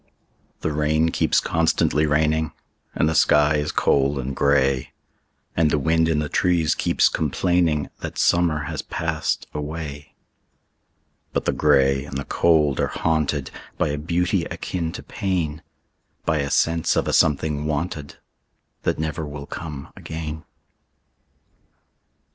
The rain keeps constantly raining, And the sky is cold and gray, And the wind in the trees keeps complainingThat summer has passed away;—But the gray and the cold are hauntedBy a beauty akin to pain,—By a sense of a something wanted, That never will come again.